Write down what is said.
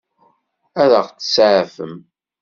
Ad ɣ-tseɛfem?